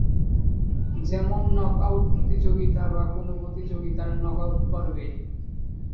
যেমন, নকআউট প্রতিযোগিতা বা কোনো প্রতিযোগিতার নকআউট পর্বে।